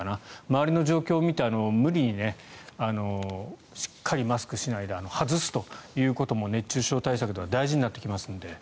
周りの状況を見て無理にしっかりマスクしないで外すということも熱中症対策では大事になってきますので。